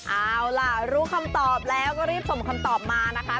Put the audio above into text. เอาล่ะรู้คำตอบแล้วก็รีบส่งคำตอบมานะคะ